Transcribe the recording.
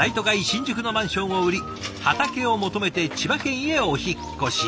新宿のマンションを売り畑を求めて千葉県へお引っ越し。